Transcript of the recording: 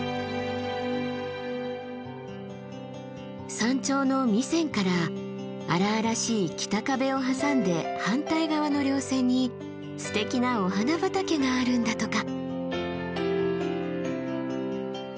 山頂の弥山から荒々しい北壁を挟んで反対側の稜線にすてきなお花畑があるんだとか。